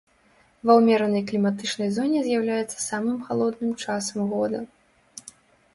Ва ўмеранай кліматычнай зоне з'яўляецца самым халодным часам года.